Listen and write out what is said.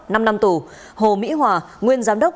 năm năm tù hồ mỹ hòa nguyên giám đốc